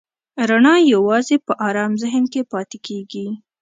رڼا یواځې په آرام ذهن کې پاتې کېږي.